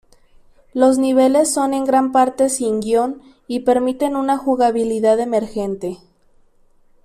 Los niveles son en gran parte sin guion, y permiten una jugabilidad emergente.